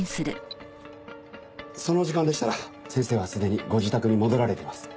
その時間でしたら先生はすでにご自宅に戻られています。